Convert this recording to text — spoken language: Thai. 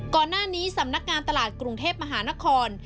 ก่อนหน้านี้สำนักงานตลาดกรุงเทพมหานคร